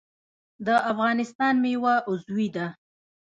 د افغانستان میوه عضوي ده